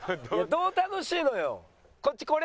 どう楽しいのよ。